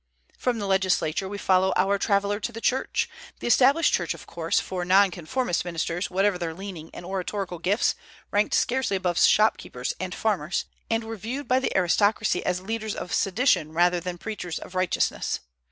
From the legislature we follow our traveller to the Church, the Established Church of course, for non conformist ministers, whatever their learning and oratorical gifts, ranked scarcely above shopkeepers and farmers, and were viewed by the aristocracy as leaders of sedition rather than preachers of righteousness.